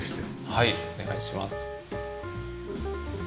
はいお願いします。